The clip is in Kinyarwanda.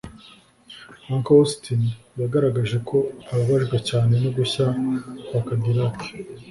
Uncle Austin yagaragaje ko ababajwe cyane no gushya kwa Cadillac